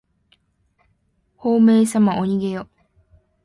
ほうめいさまおにげよ。